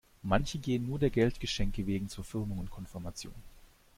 Manche gehen nur der Geldgeschenke wegen zu Firmung und Konfirmation.